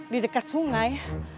di dekat sungai